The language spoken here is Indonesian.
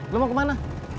lo mau kemana